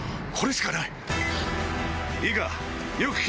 これしかない！